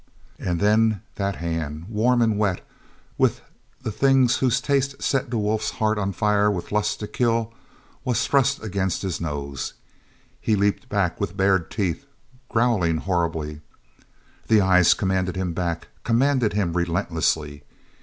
And then that hand, warm and wet with the thing whose taste set the wolf's heart on fire with the lust to kill, was thrust against his nose. He leaped back with bared teeth, growling horribly. The eyes commanded him back, commanded him relentlessly.